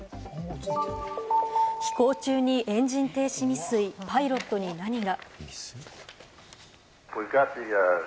飛行中にエンジン停止未遂、パイロットに何が？